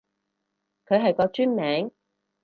佢係個專名